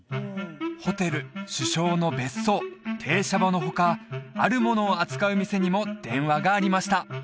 ホテル首相の別荘停車場の他あるものを扱う店にも電話がありました